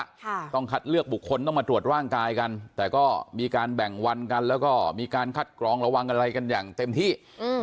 ค่ะต้องคัดเลือกบุคคลต้องมาตรวจร่างกายกันแต่ก็มีการแบ่งวันกันแล้วก็มีการคัดกรองระวังอะไรกันอย่างเต็มที่อืม